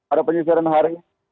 ada penyelamatan hari